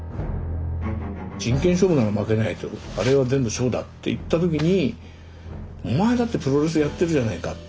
真剣勝負なら負けないとあれは全部ショーだって言った時にお前だってプロレスやってるじゃないかって。